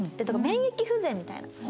だから免疫不全みたいな。